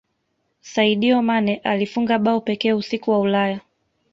saidio mane alifunga bao pekee usiku wa ulaya